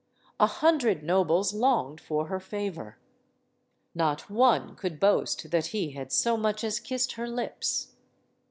A hundred nobles longed for her favor. Not one could boast that he had so much as kissed her lips.